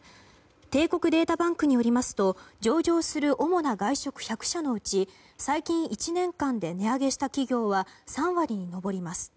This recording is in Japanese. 帝国データバンクによりますと上場する主な外食１００社のうち最近１年間で値上げした企業は３割に上ります。